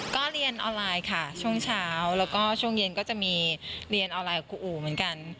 ก็เรียนออนไลน์ค่ะช่วงเช้าแล้วก็ช่วงเย็นก็จะมีเรียนออนไลน์กับครูอู่เหมือนกัน